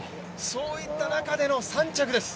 そういった中での３着です